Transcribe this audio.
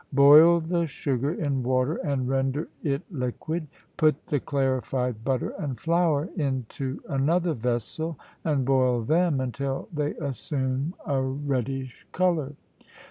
Boil the sugar in water and render it liquid. Put the clarified butter and flour into another vessel, and boil them until they assume a reddish colour.